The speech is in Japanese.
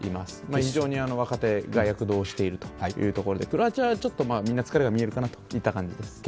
非常に若手が躍動しているということで、クロアチアが、ちょっとみんな疲れが見えるかなというところですね。